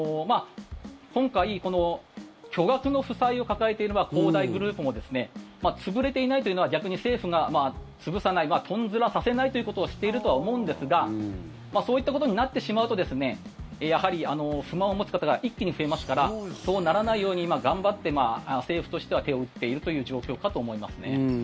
今回、巨額の負債を抱えている恒大グループも潰れていないというのは逆に政府が潰さないとんずらさせないということをしているとは思うんですがそういうことになってしまうと不満を持つ方が一気に増えますからそうならないように今頑張って政府としては手を打っている状況かと思います。